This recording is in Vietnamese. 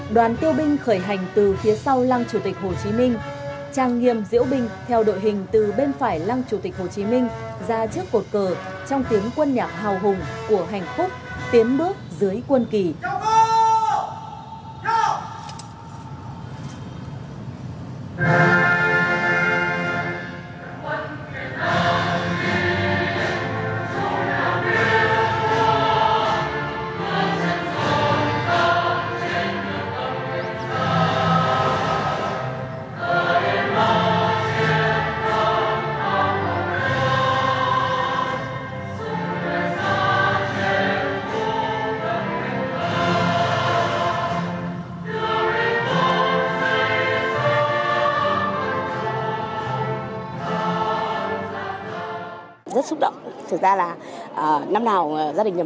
đúng năm giờ năm mươi phút sáng đoàn tiêu binh khởi hành từ phía sông